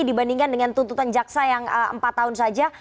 dibandingkan dengan tuntutan jaksa yang empat tahun saja